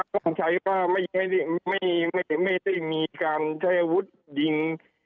ความใช้ว่าไม่ได้มีการเทพธิวุฒิดิน